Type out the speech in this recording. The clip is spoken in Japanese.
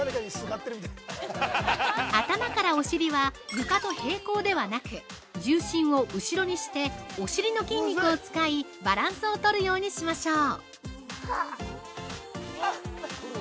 ◆頭からお尻は床と平行ではなく重心を後ろにして、お尻の筋肉を使い、バランスを取るようにしましょう。